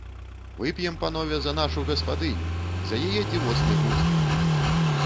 Вып'ем, панове, за нашу гаспадыню, за яе дзівосны густ!